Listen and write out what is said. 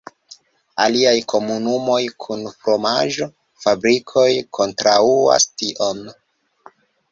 Aliaj komunumoj kun fromaĝo-fabrikoj kontraŭas tion.